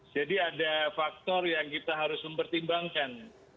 jadi ada faktor yang kita harus mempertimbangkan